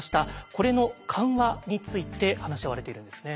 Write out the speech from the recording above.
これの緩和について話し合われているんですね。